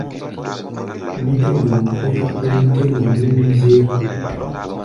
Mí tɛ́ gɔm kɔ́yá kɔ́ʼm tɛ́ ŋma mbímbí-zér.